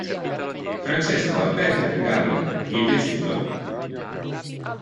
Francesco ha aperto il regalo? Gli è piaciuto?